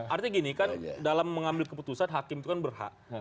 artinya gini kan dalam mengambil keputusan hakim itu kan berhak